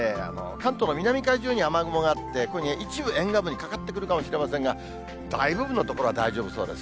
関東の南海上には雨雲があって、今夜、一部沿岸部にかかってくるかもしれませんが、大部分の所は大丈夫そうです。